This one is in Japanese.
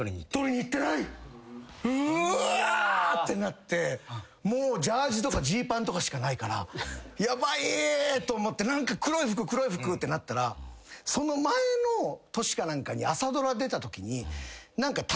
うわ！ってなってもうジャージーとかジーパンとかしかないからヤバい！と思って何か黒い服黒い服ってなったらその前の年か何かに。